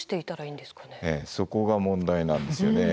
そこが問題なんですよね。